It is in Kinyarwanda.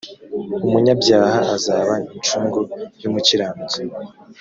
umunyabyaha azaba incungu y umukiranutsi